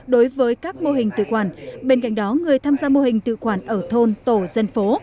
đối với các mô hình tự quản bên cạnh đó người tham gia mô hình tự quản ở thôn tổ dân phố